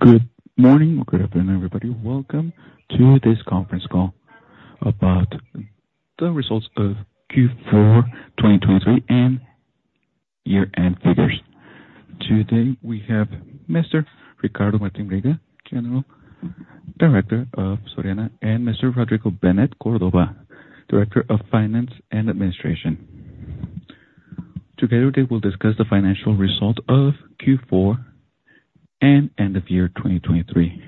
Good morning or good afternoon, everybody. Welcome to this conference call about the results of Q4 2023 and year-end figures. Today we have Mr. Ricardo Martín Bringas, General Director of Soriana, and Mr. Rodrigo Benet Córdova, Director of Finance and Administration. Together they will discuss the financial result of q4 and end of year 2023.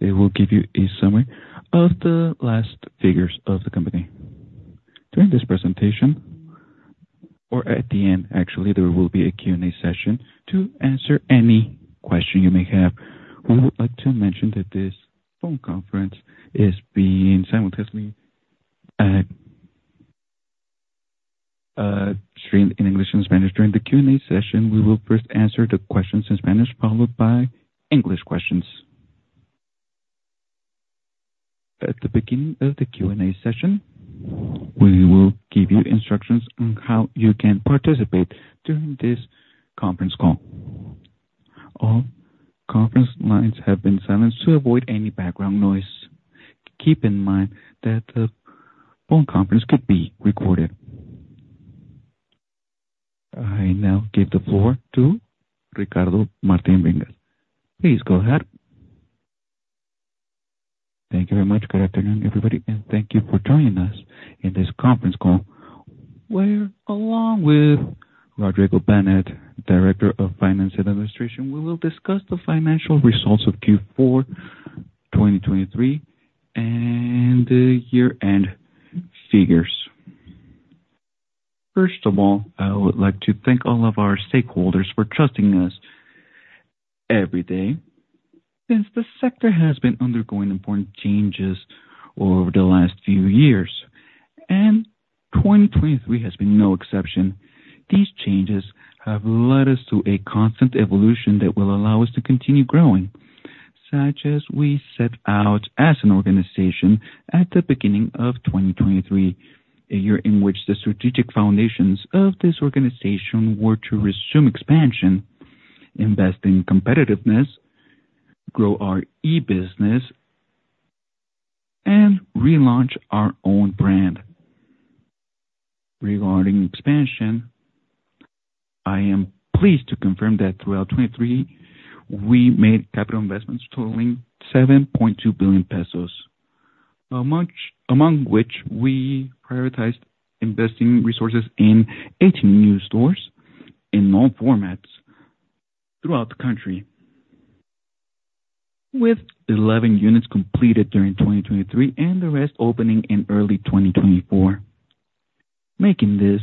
They will give you a summary of the last figures of the company. During this presentation, or at the end, actually, there will be a Q&A session to answer any question you may have. We would like to mention that this phone conference is being simultaneously streamed in English and Spanish. During the Q&A session, we will first answer the questions in Spanish, followed by English questions. At the beginning of the Q&A session, we will give you instructions on how you can participate during this conference call. All conference lines have been silenced to avoid any background noise. Keep in mind that the phone conference could be recorded. I now give the floor to Ricardo Martín Bringas. Please go ahead. Thank you very much. Good afternoon, everybody, and thank you for joining us in this conference call where, along with Rodrigo Benet Córdova, Director of Finance and Administration, we will discuss the financial results of Q4 2023 and the year-end figures. First of all, I would like to thank all of our stakeholders for trusting us every day since the sector has been undergoing important changes over the last few years, and 2023 has been no exception. These changes have led us to a constant evolution that will allow us to continue growing, such as we set out as an organization at the beginning of 2023, a year in which the strategic foundations of this organization were to resume expansion, invest in competitiveness, grow our e-business, and relaunch our own brand. Regarding expansion, I am pleased to confirm that throughout 2023 we made capital investments totaling 7.2 billion pesos, among which we prioritized investing resources in 18 new stores in all formats throughout the country, with 11 units completed during 2023 and the rest opening in early 2024, making this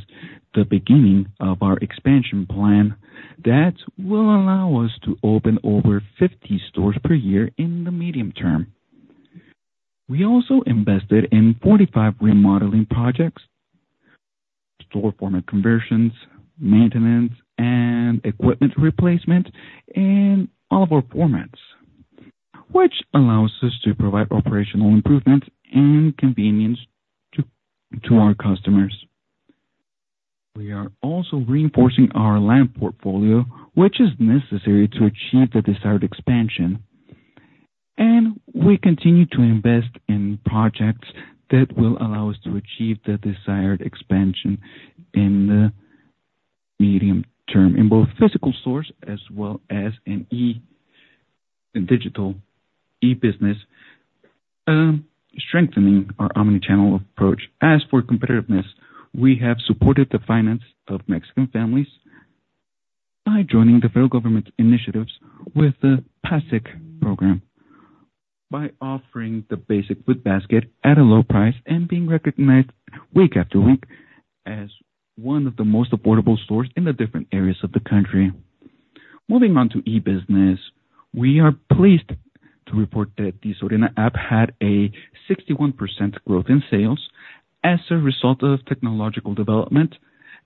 the beginning of our expansion plan that will allow us to open over 50 stores per year in the medium term. We also invested in 45 remodeling projects, store format conversions, maintenance, and equipment replacement in all of our formats, which allows us to provide operational improvements and convenience to our customers. We are also reinforcing our land portfolio, which is necessary to achieve the desired expansion, and we continue to invest in projects that will allow us to achieve the desired expansion in the medium term in both physical stores as well as in digital e-business, strengthening our omnichannel approach. As for competitiveness, we have supported the finance of Mexican families by joining the federal government's initiatives with the PACIC program, by offering the basic food basket at a low price and being recognized week after week as one of the most affordable stores in the different areas of the country. Moving on to e-business, we are pleased to report that the Soriana App had a 61% growth in sales as a result of technological development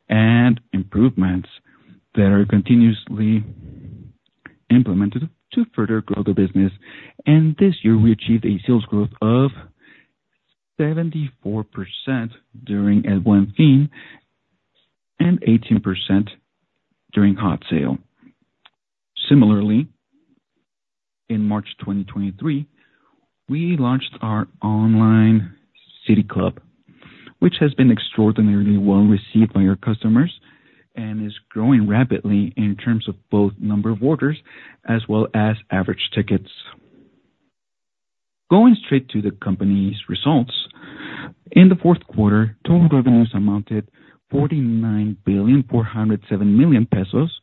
and improvements that are continuously implemented to further grow the business. This year we achieved a sales growth of 74% during El Buen Fin and 18% during Hot Sale. Similarly, in March 2023, we launched our online City Club, which has been extraordinarily well received by our customers and is growing rapidly in terms of both number of orders as well as average tickets. Going straight to the company's results, in the fourth quarter, total revenues amounted to 49,407 million pesos,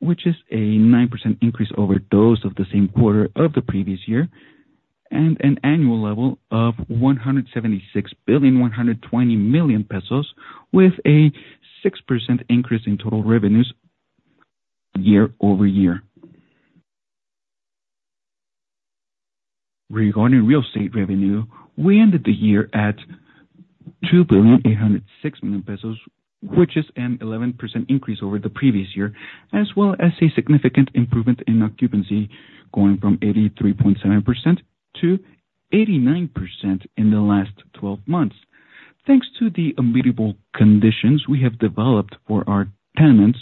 which is a 9% increase over those of the same quarter of the previous year, and an annual level of 176,120 million pesos, with a 6% increase in total revenues year-over-year. Regarding real estate revenue, we ended the year at 2,806 million pesos, which is an 11% increase over the previous year, as well as a significant improvement in occupancy going from 83.7%-89% in the last 12 months. Thanks to the amenable conditions we have developed for our tenants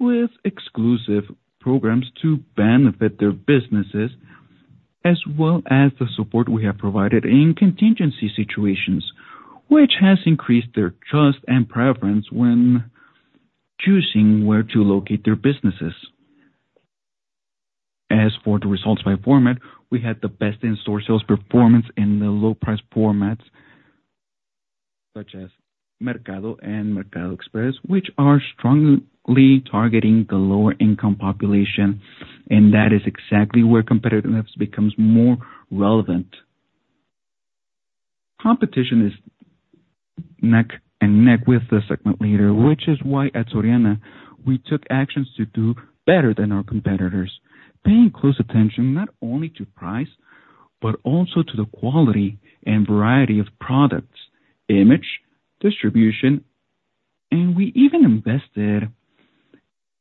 with exclusive programs to benefit their businesses, as well as the support we have provided in contingency situations, which has increased their trust and preference when choosing where to locate their businesses. As for the results by format, we had the best in-store sales performance in the low-price formats such as Mercado and Mercado Express, which are strongly targeting the lower-income population, and that is exactly where competitiveness becomes more relevant. Competition is neck and neck with the segment leader, which is why at Soriana we took actions to do better than our competitors, paying close attention not only to price but also to the quality and variety of products, image, distribution, and we even invested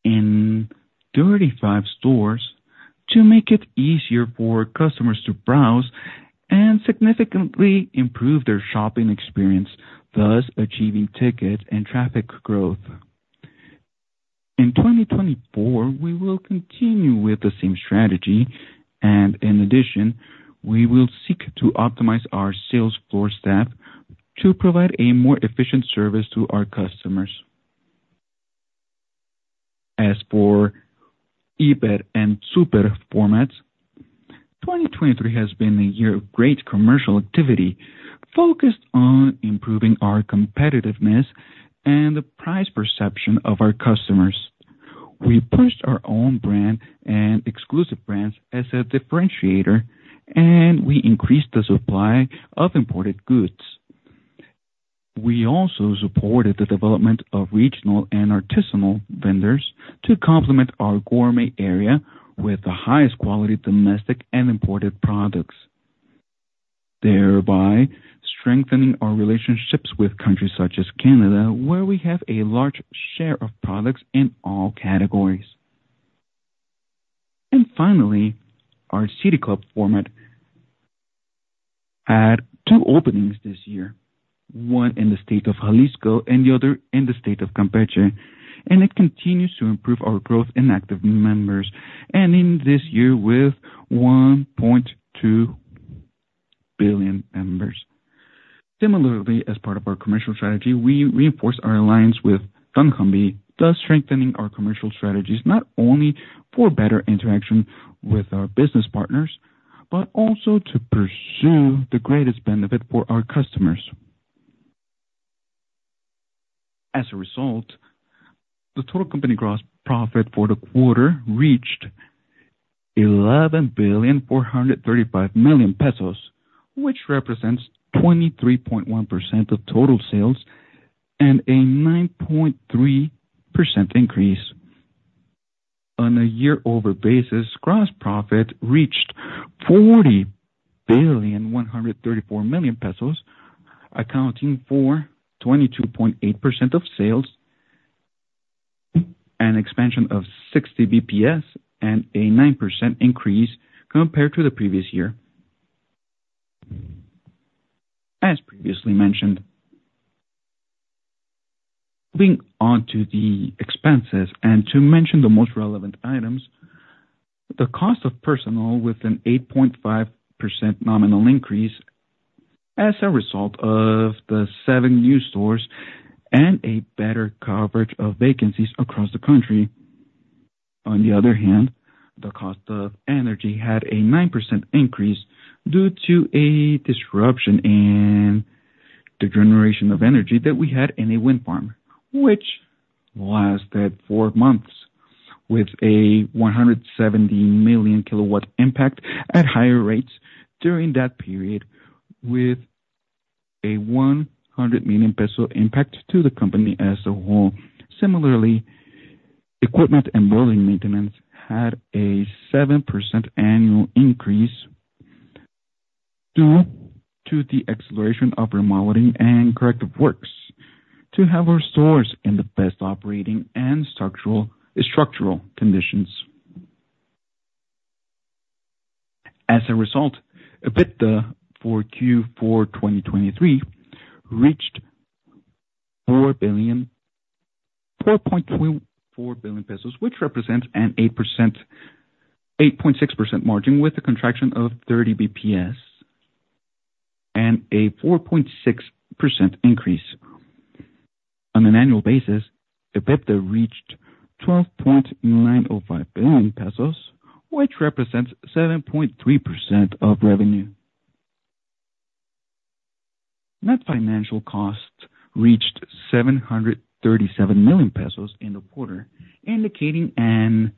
in 35 stores to make it easier for customers to browse and significantly improve their shopping experience, thus achieving ticket and traffic growth. In 2024, we will continue with the same strategy, and in addition, we will seek to optimize our sales floor staff to provide a more efficient service to our customers. As for Soriana Híper and Soriana Súper formats, 2023 has been a year of great commercial activity focused on improving our competitiveness and the price perception of our customers. We pushed our own brand and exclusive brands as a differentiator, and we increased the supply of imported goods. We also supported the development of regional and artisanal vendors to complement our gourmet area with the highest quality domestic and imported products, thereby strengthening our relationships with countries such as Canada, where we have a large share of products in all categories. Finally, our City Club format had two openings this year, one in the state of Jalisco and the other in the state of Campeche, and it continues to improve our growth in active members and in this year with 1.2 billion members. Similarly, as part of our commercial strategy, we reinforced our alliance with Dunnhumby, thus strengthening our commercial strategies not only for better interaction with our business partners but also to pursue the greatest benefit for our customers. As a result, the total company gross profit for the quarter reached MXN 11,435 million, which represents 23.1% of total sales and a 9.3% increase. On a year-over-year basis, gross profit reached 40.134 billion, accounting for 22.8% of sales, an expansion of 60 basis points, and a 9% increase compared to the previous year, as previously mentioned. Moving on to the expenses and to mention the most relevant items, the cost of personnel with an 8.5% nominal increase as a result of the seven new stores and a better coverage of vacancies across the country. On the other hand, the cost of energy had a 9% increase due to a disruption in the generation of energy that we had in a wind farm, which lasted four months, with a 170 million kilowatt impact at higher rates during that period, with a 100 million peso impact to the company as a whole. Similarly, equipment and building maintenance had a 7% annual increase due to the acceleration of remodeling and corrective works to have our stores in the best operating and structural conditions. As a result, EBITDA for q4 2023 reached 4.24 billion, which represents an 8.6% margin with a contraction of 30 basis points and a 4.6% increase. On an annual basis, EBITDA reached MXN 12.905 billion, which represents 7.3% of revenue. Net financial costs reached 737 million pesos in the quarter, indicating an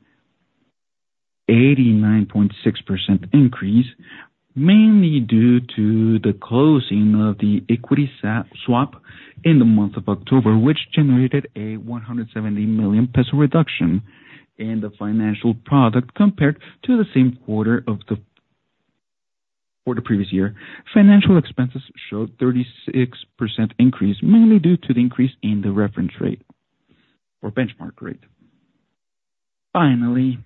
89.6% increase, mainly due to the closing of the equity swap in the month of October, which generated a 170 million peso reduction in the financial product compared to the same quarter of the previous year. Financial expenses showed a 36% increase, mainly due to the increase in the reference rate or benchmark rate. Finally,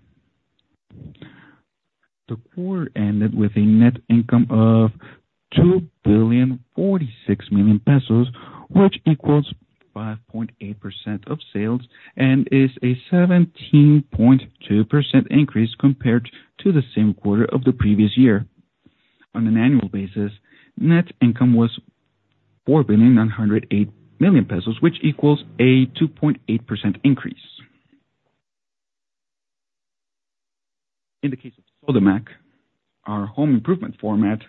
the quarter ended with a net income of 2,046 million pesos, which equals 5.8% of sales and is a 17.2% increase compared to the same quarter of the previous year. On an annual basis, net income was 4,908 million pesos, which equals a 2.8% increase. In the case of Sodimac, our home improvement format,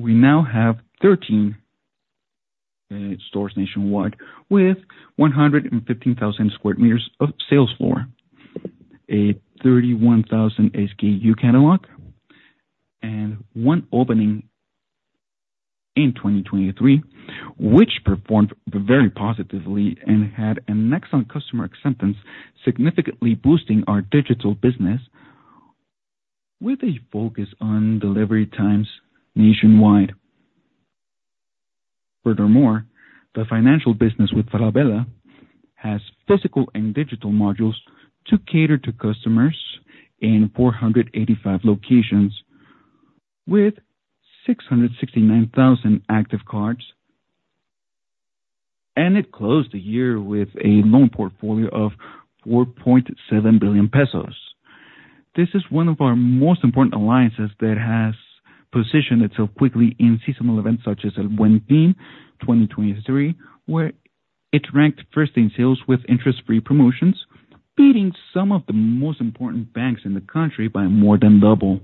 we now have 13 stores nationwide with 115,000 square meters of sales floor, a 31,000 SKU catalog, and one opening in 2023, which performed very positively and had an excellent customer acceptance, significantly boosting our digital business with a focus on delivery times nationwide. Furthermore, the financial business with Falabella has physical and digital modules to cater to customers in 485 locations with 669,000 active cards, and it closed the year with a loan portfolio of 4.7 billion pesos. This is one of our most important alliances that has positioned itself quickly in seasonal events such as El Buen Fin 2023, where it ranked first in sales with interest-free promotions, beating some of the most important banks in the country by more than double.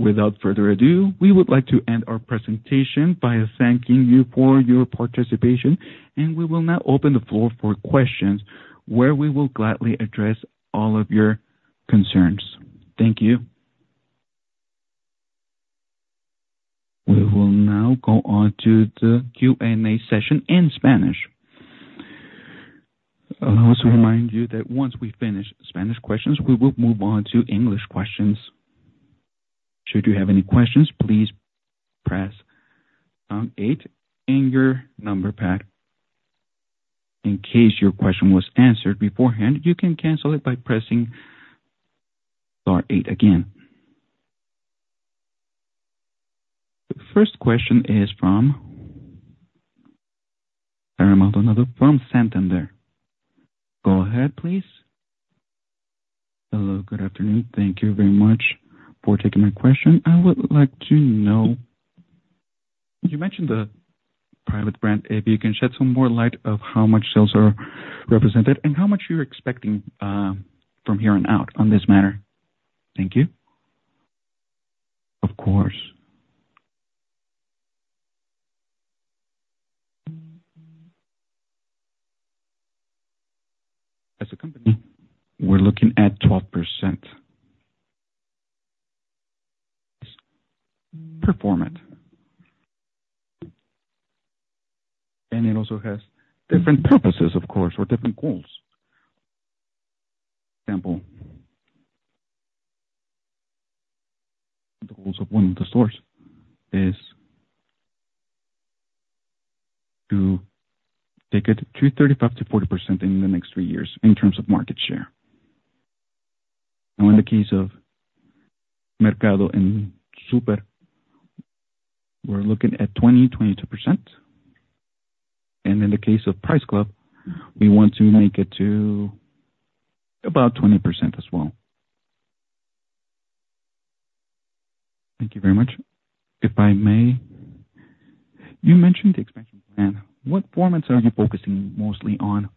Without further ado, we would like to end our presentation by thanking you for your participation, and we will now open the floor for questions, where we will gladly address all of your concerns. Thank you. We will now go on to the Q&A session in Spanish. I also remind you that once we finish Spanish questions, we will move on to English questions. Should you have any questions, please press eight in your number pad. In case your question was answered beforehand, you can cancel it by pressing star eight again. The first question is from—I don't remember the name of the other from Santander. Go ahead, please. Hello. Good afternoon. Thank you very much for taking my question. I would like to know—you mentioned the private brand. If you can shed some more light on how much sales are represented and how much you're expecting from here on out on this matter. Thank you. Of course. As a company, we're looking at 12% performance. It also has different purposes, of course, or different goals. For example, the goals of one of the stores is to take it 23.5%-40% in the next three years in terms of market share. Now, in the case of Mercado and Super, we're looking at 20%-22%. In the case of City Club, we want to make it to about 20% as well. Thank you very much. If I may, you mentioned the expansion plan. What formats are you focusing mostly on?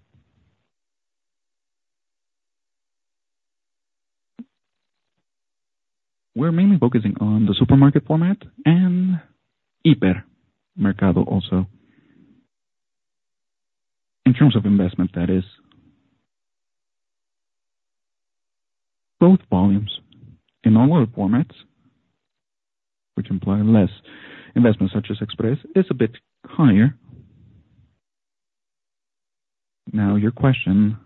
We're mainly focusing on the supermarket format and Híper, Mercado also. In terms of investment, that is, both volumes in all other formats, which imply less investment such as Express, is a bit higher. Now, your question,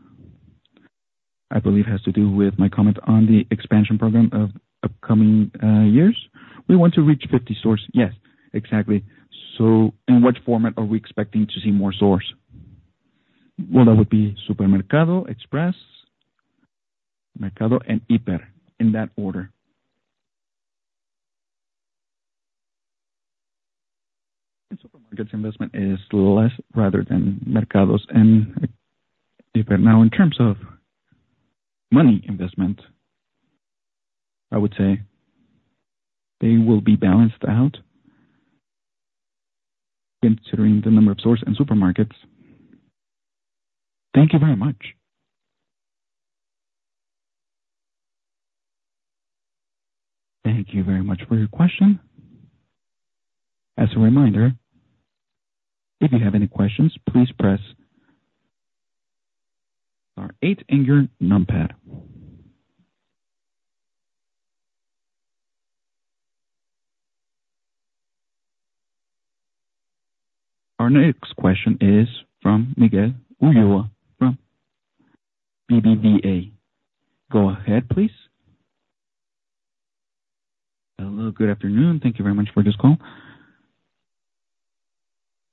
I believe, has to do with my comment on the expansion program of upcoming years. We want to reach 50 stores. Yes, exactly. So in which format are we expecting to see more stores? Well, that would be Súper, Express, Mercado, and Híper in that order. And supermarkets investment is less rather than Mercados and Híper. Now, in terms of money investment, I would say they will be balanced out considering the number of stores and supermarkets. Thank you very much. Thank you very much for your question. As a reminder, if you have any questions, please press star eight in your numpad. Our next question is from Miguel Ulloa from BBVA. Go ahead, please. Hello. Good afternoon. Thank you very much for this call.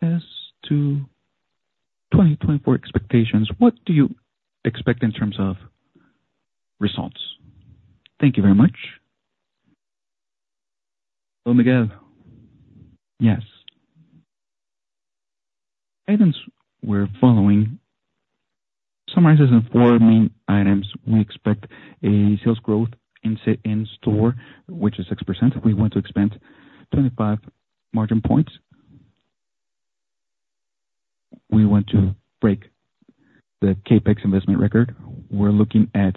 As to 2024 expectations, what do you expect in terms of results? Thank you very much. Hello, Miguel. Yes. Items we're following summarizes the four main items. We expect a sales growth in-store, which is 6%. We want to expand 25 margin points. We want to break the CapEx investment record. We're looking at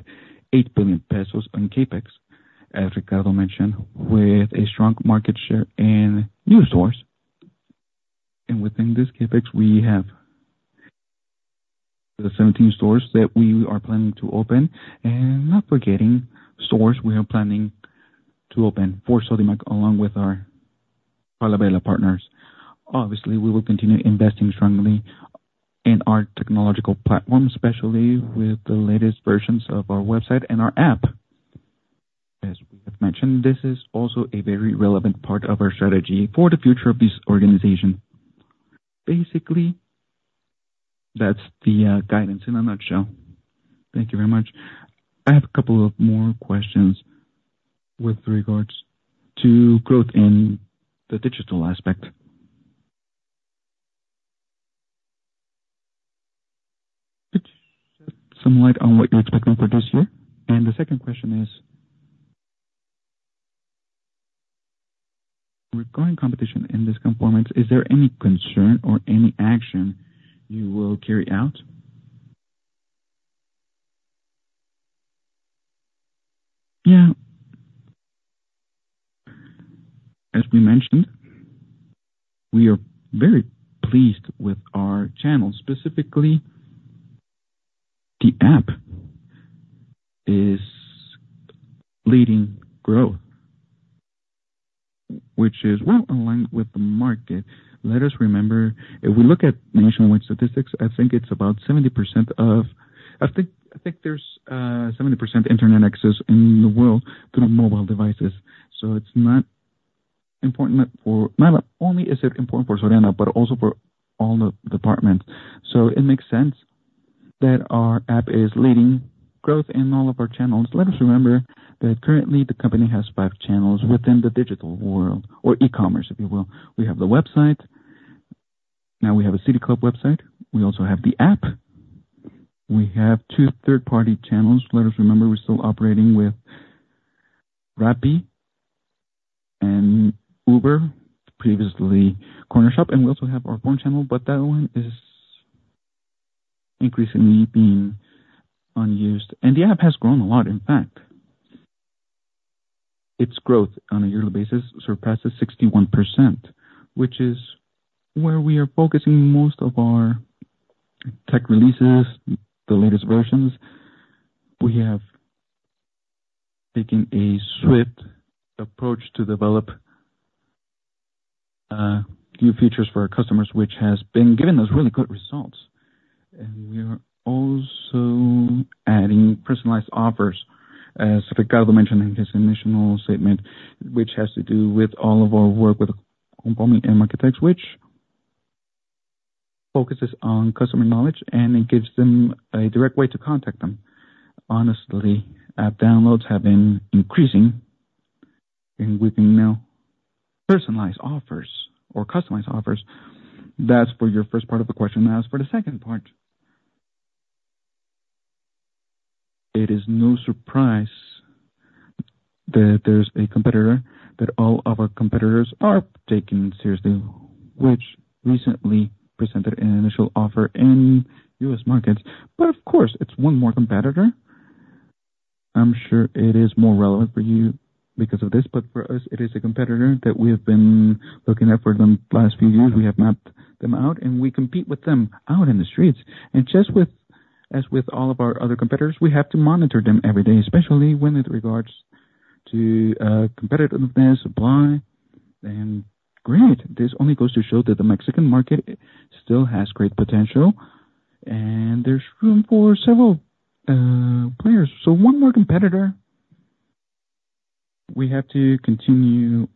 8 billion pesos in CapEx, as Ricardo mentioned, with a strong market share in new stores. And within this CapEx, we have the 17 stores that we are planning to open. And not forgetting stores, we are planning to open for Sodimac along with our Falabella partners. Obviously, we will continue investing strongly in our technological platform, especially with the latest versions of our website and our app. As we have mentioned, this is also a very relevant part of our strategy for the future of this organization. Basically, that's the guidance in a nutshell. Thank you very much. I have a couple of more questions with regards to growth in the digital aspect, which shed some light on what you're expecting for this year. And the second question is regarding competition in this component. Is there any concern or any action you will carry out? Yeah. As we mentioned, we are very pleased with our channel. Specifically, the app is leading growth, which is, well, aligned with the market. Let us remember, if we look at nationwide statistics, I think it's about 70% internet access in the world through mobile devices. So it's not important for not only is it important for Soriana, but also for all the departments. So it makes sense that our app is leading growth in all of our channels. Let us remember that currently, the company has 5 channels within the digital world or e-commerce, if you will. We have the website. Now, we have a City Club website. We also have the app. We have two third-party channels. Let us remember, we're still operating with Rappi and Uber, previously Cornershop. And we also have our phone channel, but that one is increasingly being unused. And the app has grown a lot. In fact, its growth on a yearly basis surpasses 61%, which is where we are focusing most of our tech releases, the latest versions. We have taken a swift approach to develop new features for our customers, which has been giving us really good results. We are also adding personalized offers, as Ricardo mentioned in his initial statement, which has to do with all of our work with Dunnhumby, which focuses on customer knowledge, and it gives them a direct way to contact them. Honestly, app downloads have been increasing, and we can now personalize offers or customize offers. That's for your first part of the question. As for the second part, it is no surprise that there's a competitor that all of our competitors are taking seriously, which recently presented an initial offer in U.S. markets. Of course, it's one more competitor. I'm sure it is more relevant for you because of this, but for us, it is a competitor that we have been looking at for the last few years. We have mapped them out, and we compete with them out in the streets. Just as with all of our other competitors, we have to monitor them every day, especially when it regards to competitiveness, supply. Great. This only goes to show that the Mexican market still has great potential, and there's room for several players. One more competitor we have to continue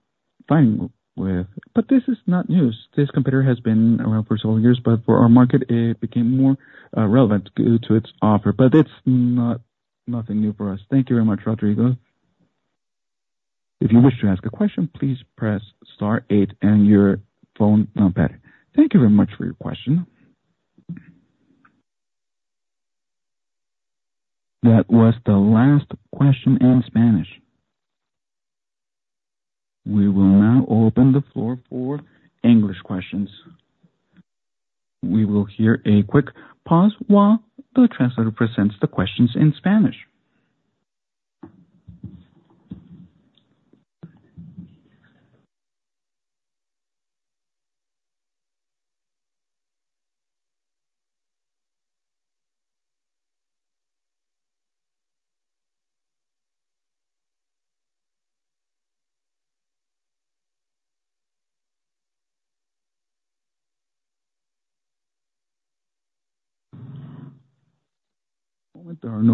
fighting with. This is not news. This competitor has been around for several years, but for our market, it became more relevant due to its offer. It's nothing new for us. Thank you very much, Rodrigo. If you wish to ask a question, please press star eight and your phone numpad. Thank you very much for your question. That was the last question in Spanish. We will now open the floor for English questions. We will hear a quick pause while the translator presents the questions in Spanish.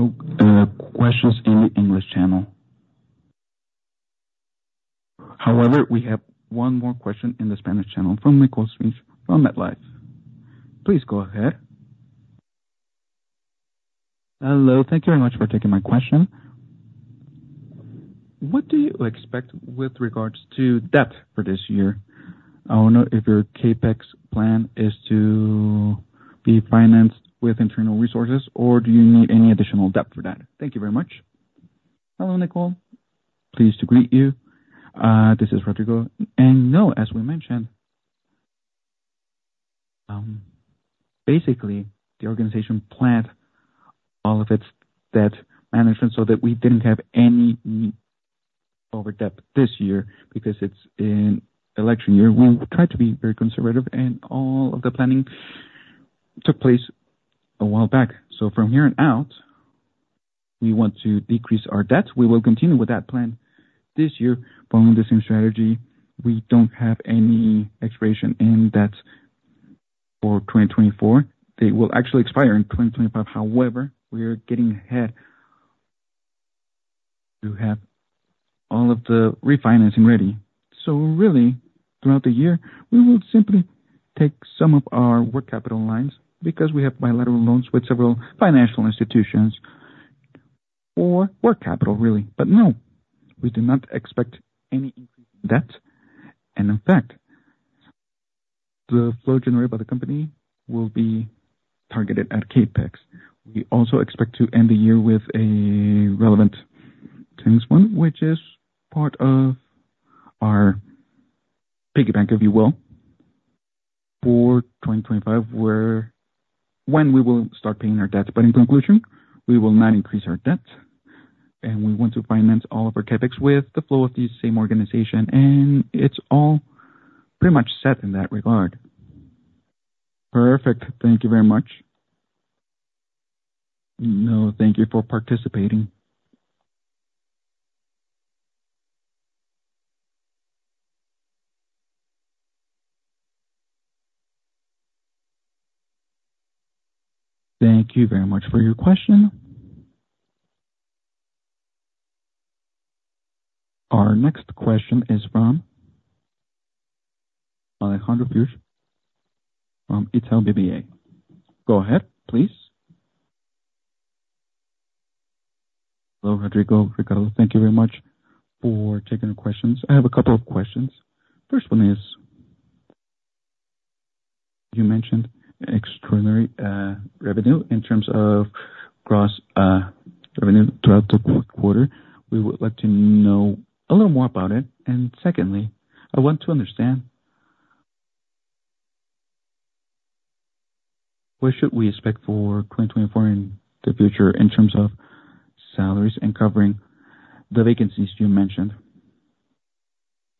Moment. There are no questions in the English channel. However, we have one more question in the Spanish channel from Nicolas Pietsch from MetLife. Please go ahead. Hello. Thank you very much for taking my question. What do you expect with regards to debt for this year? I want to know if your CapEx plan is to be financed with internal resources, or do you need any additional debt for that? Thank you very much. Hello, Nicolas. Pleased to greet you. This is Rodrigo. And no, as we mentioned, basically, the organization planned all of its debt management so that we didn't have any overdebt this year because it's an election year. We tried to be very conservative, and all of the planning took place a while back. So from here on out, we want to decrease our debt. We will continue with that plan this year following the same strategy. We don't have any expiration in debt for 2024. They will actually expire in 2025. However, we are getting ahead to have all of the refinancing ready. So really, throughout the year, we will simply take some of our working capital lines because we have bilateral loans with several financial institutions for working capital, really. But no, we do not expect any increase in debt. And in fact, the flow generated by the company will be targeted at CapEx. We also expect to end the year with a net cash position, which is part of our piggy bank, if you will, for 2025, when we will start paying our debt. But in conclusion, we will not increase our debt, and we want to finance all of our CapEx with the flow of the same organization. And it's all pretty much set in that regard. Perfect. Thank you very much. No. Thank you for participating. Thank you very much for your question. Our next question is from Alejandro Fuchs from Itaú BBA. Go ahead, please. Hello, Rodrigo. Ricardo, thank you very much for taking our questions. I have a couple of questions. First one is, you mentioned extraordinary revenue. In terms of gross revenue throughout the quarter, we would like to know a little more about it. And secondly, I want to understand what should we expect for 2024 in the future in terms of salaries and covering the vacancies you mentioned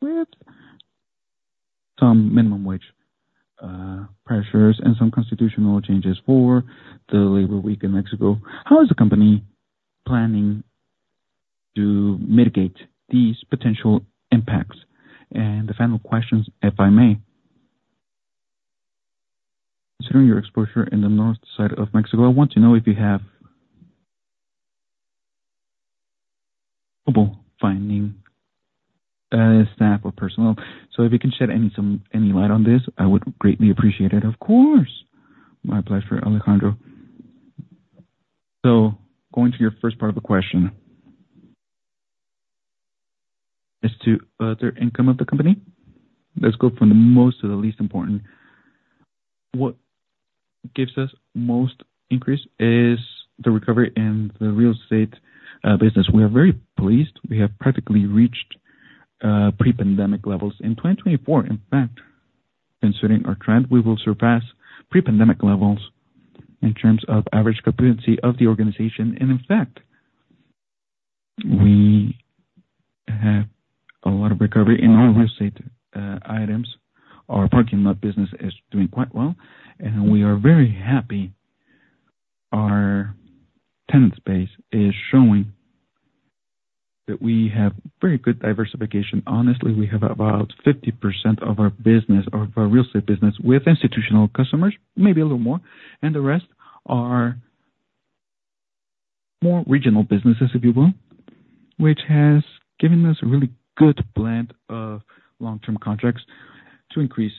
with some minimum wage pressures and some constitutional changes for the labor week in Mexico? How is the company planning to mitigate these potential impacts? And the final questions, if I may, considering your exposure in the north side of Mexico, I want to know if you have trouble finding staff or personnel. So if you can shed any light on this, I would greatly appreciate it. Of course. My pleasure, Alejandro. So going to your first part of the question as to other income of the company, let's go from the most to the least important. What gives us most increase is the recovery in the real estate business. We are very pleased. We have practically reached pre-pandemic levels. In 2024, in fact, considering our trend, we will surpass pre-pandemic levels in terms of average capability of the organization. And in fact, we have a lot of recovery in all real estate items. Our parking lot business is doing quite well, and we are very happy our tenant base is showing that we have very good diversification. Honestly, we have about 50% of our real estate business with institutional customers, maybe a little more. The rest are more regional businesses, if you will, which has given us a really good plan of long-term contracts to increase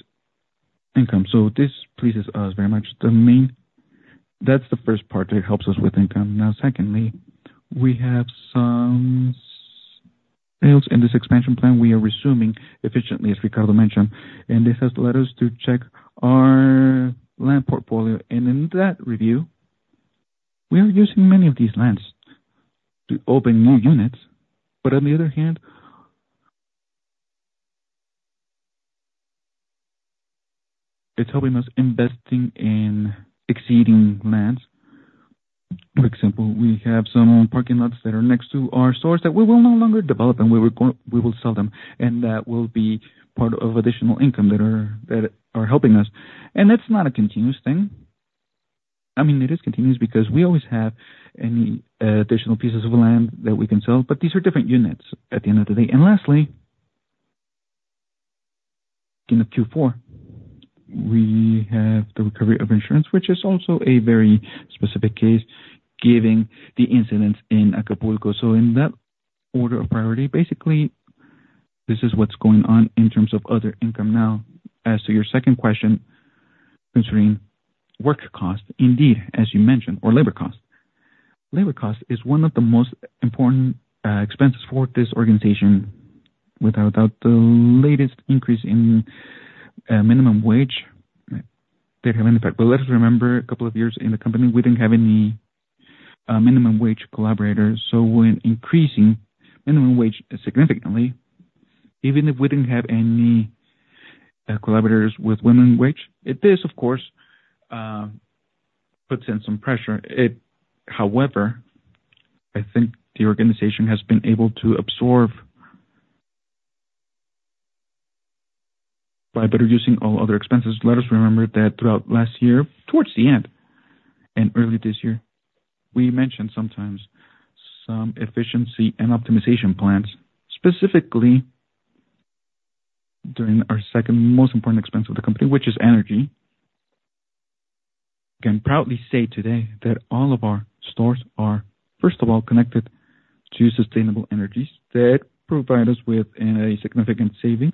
income. This pleases us very much. That's the first part that helps us with income. Now, secondly, we have some sales in this expansion plan we are resuming efficiently, as Ricardo mentioned. This has led us to check our land portfolio. In that review, we are using many of these lands to open new units. But on the other hand, it's helping us invest in exceeding lands. For example, we have some parking lots that are next to our stores that we will no longer develop, and we will sell them. That will be part of additional income that are helping us. That's not a continuous thing. I mean, it is continuous because we always have any additional pieces of land that we can sell, but these are different units at the end of the day. Lastly, in Q4, we have the recovery of insurance, which is also a very specific case given the incidents in Acapulco. In that order of priority, basically, this is what's going on in terms of other income. Now, as to your second question concerning work cost, indeed, as you mentioned, or labor cost, labor cost is one of the most important expenses for this organization. Without the latest increase in minimum wage, they'd have an impact. Let us remember, a couple of years in the company, we didn't have any minimum wage collaborators. So when increasing minimum wage significantly, even if we didn't have any collaborators with minimum wage, it does, of course, put in some pressure. However, I think the organization has been able to absorb by better using all other expenses. Let us remember that throughout last year, towards the end and early this year, we mentioned sometimes some efficiency and optimization plans, specifically during our second most important expense of the company, which is energy. I can proudly say today that all of our stores are, first of all, connected to sustainable energies that provide us with significant savings.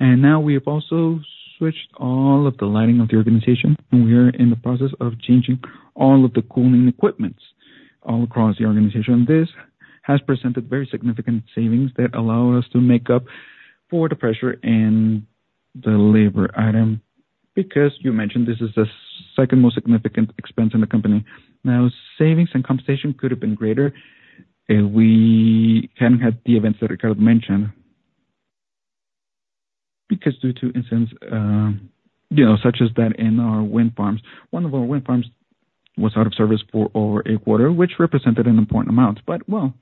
And now, we have also switched all of the lighting of the organization, and we are in the process of changing all of the cooling equipment all across the organization. This has presented very significant savings that allow us to make up for the pressure in the labor item because, you mentioned, this is the second most significant expense in the company. Now, savings and compensation could have been greater if we hadn't had the events that Ricardo mentioned because due to incidents such as that in our wind farms, one of our wind farms was out of service for over a quarter, which represented an important amount. But well,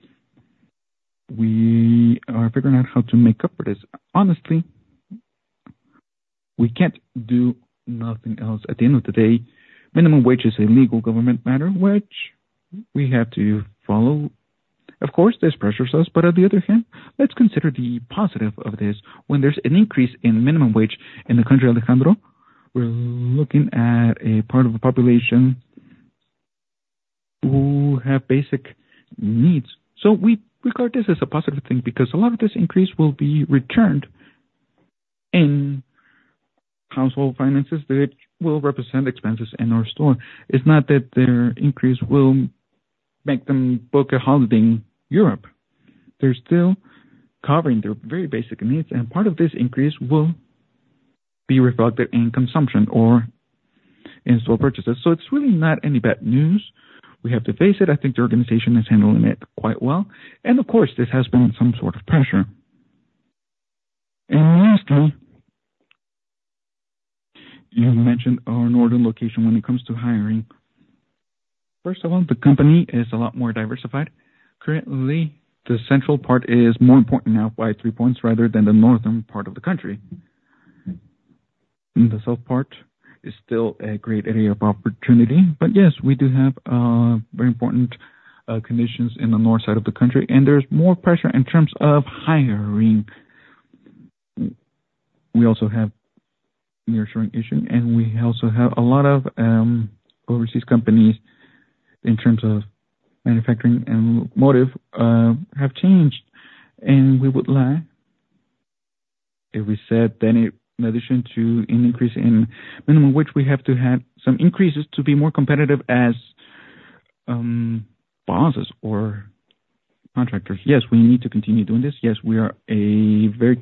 we are figuring out how to make up for this. Honestly, we can't do nothing else. At the end of the day, minimum wage is a legal government matter, which we have to follow. Of course, this pressures us. But on the other hand, let's consider the positive of this. When there's an increase in minimum wage in the country, Alejandro, we're looking at a part of the population who have basic needs. So we regard this as a positive thing because a lot of this increase will be returned in household finances that will represent expenses in our store. It's not that their increase will make them book a holiday in Europe. They're still covering their very basic needs. And part of this increase will be reflected in consumption or in store purchases. So it's really not any bad news. We have to face it. I think the organization is handling it quite well. And of course, this has been some sort of pressure. And lastly, you mentioned our northern location when it comes to hiring. First of all, the company is a lot more diversified. Currently, the central part is more important now by 3 points rather than the northern part of the country. The south part is still a great area of opportunity. But yes, we do have very important conditions in the north side of the country, and there's more pressure in terms of hiring. We also have the nearshoring issue, and we also have a lot of overseas companies in terms of manufacturing and automotive have changed. And we would like if we said that in addition to an increase in minimum wage, we have to have some increases to be more competitive as bosses or contractors. Yes, we need to continue doing this. Yes, we are a very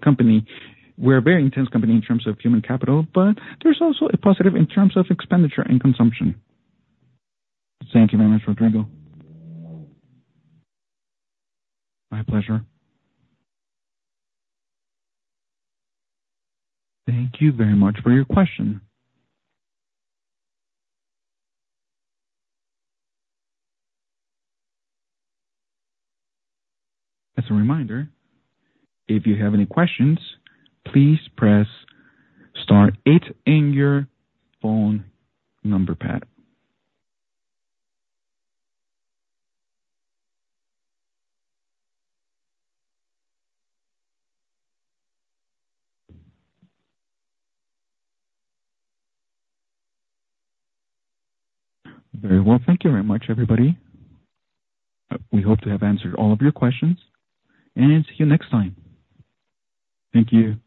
intense company in terms of human capital, but there's also a positive in terms of expenditure and consumption. Thank you very much, Rodrigo. My pleasure. Thank you very much for your question. As a reminder, if you have any questions, please press star eight in your phone number pad. Very well. Thank you very much, everybody. We hope to have answered all of your questions, and see you next time. Thank you.